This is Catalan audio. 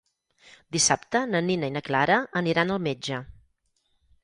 Dissabte na Nina i na Clara aniran al metge.